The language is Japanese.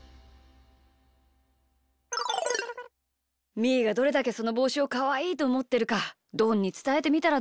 みーがどれだけそのぼうしをかわいいとおもってるかどんにつたえてみたらどうかな？